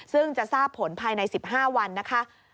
ซึ่งจะทราบผลภายใน๑๕วันนะคะ